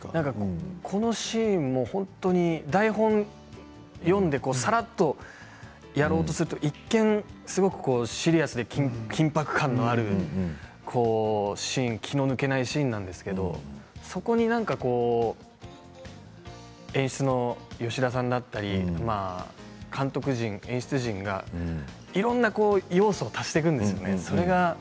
このシーンも台本を読んでさらっとやろうとすると一見シリアスで緊迫感のあるシーン、気の抜けないシーンなんですけれどそこに演出の吉田さんだったり監督陣、演出陣がいろんな要素を足していくんですね。